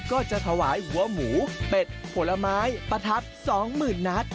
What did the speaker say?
ก็จะถวายหัวหมูเป็ดผลไม้ประทับสองหมื่นนัด